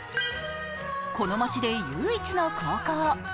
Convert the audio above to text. この町で唯一の高校。